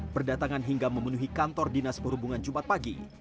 berdatangan hingga memenuhi kantor dinas perhubungan jumat pagi